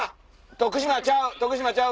徳島ちゃう！